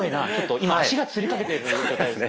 今足がつりかけてる状態ですね。